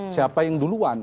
siapa yang duluan